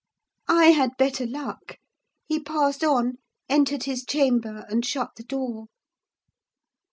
I had better luck: he passed on, entered his chamber, and shut the door.